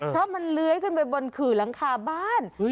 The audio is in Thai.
เพราะมันเลื้อยขึ้นไปบนขื่อหลังคาบ้าน